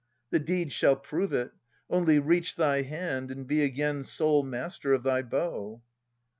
The deed shall prove it. Only reach thy hand, And be again sole master of thy bow.